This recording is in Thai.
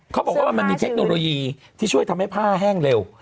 เขาบอกว่ามันมีเทคโนโลยีที่ช่วยทำให้ผ้าแห้งเร็ว